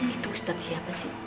itu ustadz siapa sih